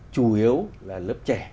chủ yếu là lớp trẻ